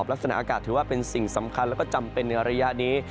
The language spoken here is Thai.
แล้วก็จำเป็นในระยะนี้